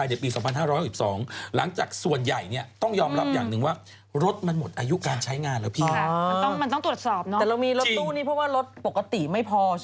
แต่เรามีรถตู้นี้เพราะว่ารถปกติไม่พอใช่ไหม